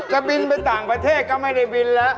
จะบินไปต่างประเทศก็ไม่ได้บินแล้ว